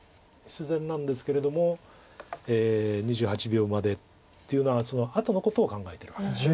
必然なんですけれども２８秒までっていうのはあとのことを考えてるわけですよね。